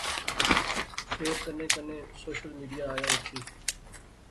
فیر کنے کنے سوشل میڈیا آیا اٹھی